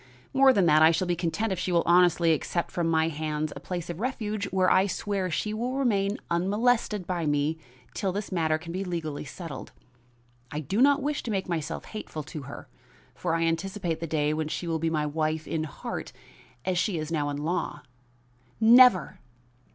More than that, I shall be content if she will honestly accept from my hands a place of refuge where I swear she shall remain unmolested by me till this matter can be legally settled. I do not wish to make myself hateful to her, for I anticipate the day when she will be my wife in heart as she is now in law." "Never!"